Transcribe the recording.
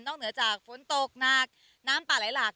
เหนือจากฝนตกหนักน้ำป่าไหลหลาก